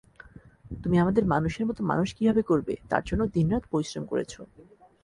তুমি আমাদের মানুষের মতো মানুষ কীভাবে করবে, তার জন্য দিন-রাত পরিশ্রম করেছ।